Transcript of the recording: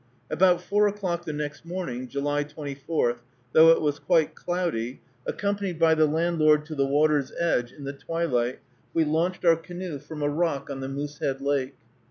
About four o'clock the next morning (July 24), though it was quite cloudy, accompanied by the landlord to the water's edge, in the twilight, we launched our canoe from a rock on the Moosehead Lake.